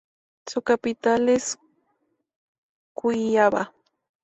Su capital es Cuiabá.